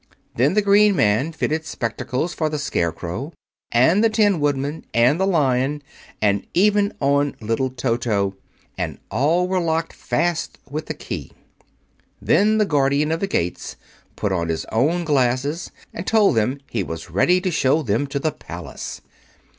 Then the green man fitted spectacles for the Scarecrow and the Tin Woodman and the Lion, and even on little Toto; and all were locked fast with the key. Then the Guardian of the Gates put on his own glasses and told them he was ready to show them to the Palace.